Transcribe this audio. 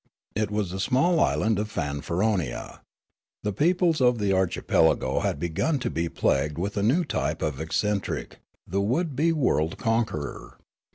It was the small island of Fanfaronia. The peoples of the archipelago had begun to be plagued with a new type of eccentric, the would be world conqueror.